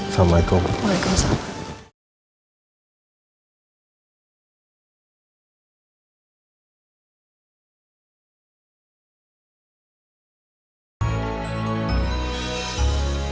assalamualaikum bu waalaikumsalam